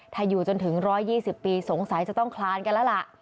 ถ้าอยู่จนถึง๑๒๐ปีสงสัยจะต้องคลานกันแล้วล่ะ